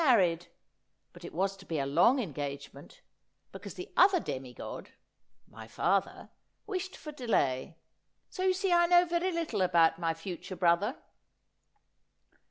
married, but it was to be a long engagement, because the other demigod — my father — wished for delay. So you see I know very little about my future brother.'